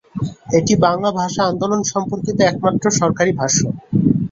এটি বাংলা ভাষা আন্দোলন সম্পর্কিত একমাত্র সরকারি ভাষ্য।